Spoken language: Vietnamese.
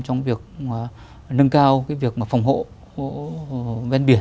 trong việc nâng cao việc phòng hộ ven biển